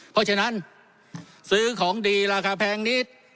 เพราะฉะนั้นซื้อของดีราคาแพงนิด